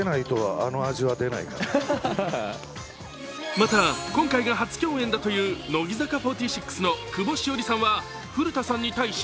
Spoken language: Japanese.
また、今回が初共演だという乃木坂４６の久保史緒里さんは古田さんに対し